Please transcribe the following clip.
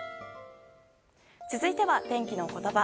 続いては天気のことば。